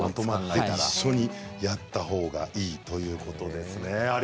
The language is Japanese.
一緒にやったほうがいいということですね。